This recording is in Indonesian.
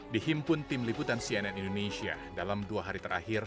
dihimpun tim liputan cnn indonesia dalam dua hari terakhir